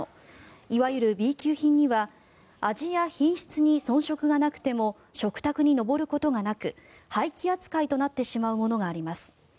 いわゆるＢ級品には味や品質に遜色がなくても食卓に上ることがなく廃棄扱いとなってしまうものがあります。